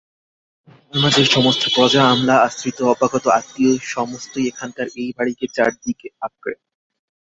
আমাদের সমস্ত প্রজা-আমলা, আশ্রিত-অভ্যাগত-আত্মীয়, সমস্তই এখানকার এই বাড়িকে চারি দিকে আঁকড়ে।